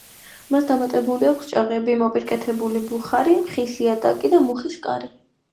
მას დამატებული აქვს ჭაღები, მოპირკეთებული ბუხარი, ხის იატაკი და მუხის კარი.